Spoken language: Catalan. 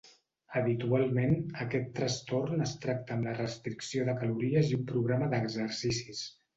Habitualment aquest trastorn es tracta amb la restricció de calories i un programa d'exercicis.